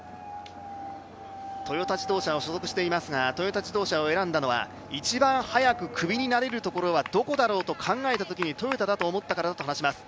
トヨタ自動車に所属していますがトヨタ自動車を選んだのは、一番早く首になれるところはどこだろうと考えたときにトヨタだと思ったからだと話します。